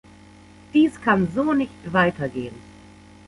Dies kann so nicht weitergehen.